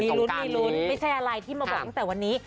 มีลุ้นมีลุ้นไม่ใช่อะไรที่มาบอกตั้งแต่วันนี้